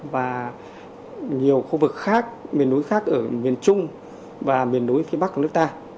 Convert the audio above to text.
và nhiều khu vực khác miền núi khác ở miền trung và miền núi phía bắc của nước ta